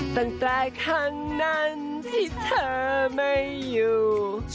ตั้งแต่ครั้งนั้นที่เธอไม่อยู่